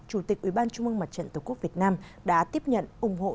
chủ tịch ủy ban trung mương mặt trận tổ quốc việt nam đã tiếp nhận ủng hộ